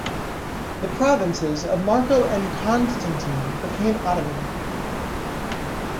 The provinces of Marko and Konstantin became Ottoman.